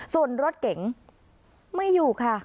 ส่วนรถเก๋งไม่อยู่ค่ะ